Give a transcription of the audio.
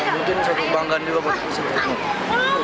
mungkin saya kebanggaan juga buat support